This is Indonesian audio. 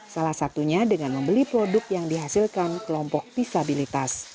salah satunya dengan membeli produk yang dihasilkan kelompok disabilitas